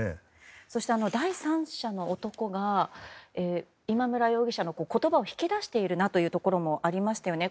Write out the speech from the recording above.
そして、第三者の男が今村容疑者の言葉を引き出しているなというところもありましたよね。